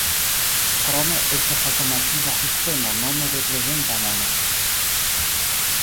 Krome estas alternativa sistemo nome reprezenta mono.